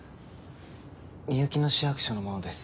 みゆきの市役所の者です